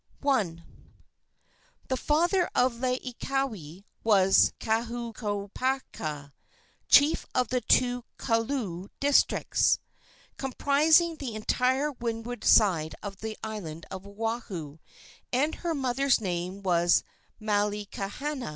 I. The father of Laieikawai was Kahauokapaka, chief of the two Koolau districts, comprising the entire windward side of the island of Oahu, and her mother's name was Malaekahana.